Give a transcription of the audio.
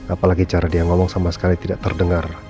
apalagi cara dia ngomong sama sekali tidak terdengar